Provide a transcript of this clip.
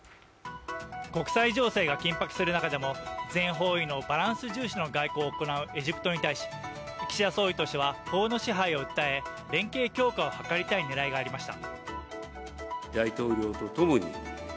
国際情勢が緊迫する中でも、全方位のバランス重視の外交をするエジプトに対し、岸田総理としては法の支配を訴え連携強化を図りたい狙いがありました。